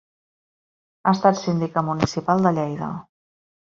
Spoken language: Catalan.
Ha estat síndica municipal de Lleida.